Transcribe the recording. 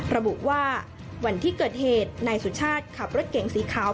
ระบุว่าวันที่เกิดเหตุนายสุชาติขับรถเก๋งสีขาว